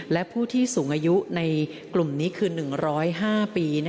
และผู้ที่สูงอายุในกลุ่มนี้คือ๑๐๕ปี